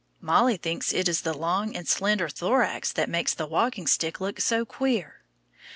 Mollie thinks it is the long and slender thorax that makes the walking stick look so queer.